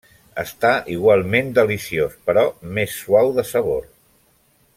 Està igualment deliciós, però més suau de sabor.